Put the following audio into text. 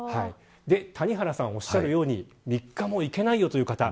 谷原さんがおっしゃるように３日も行けないよという方。